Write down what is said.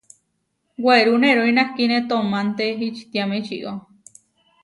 Werú nerói nahkíne toománte ečitiáme ičió.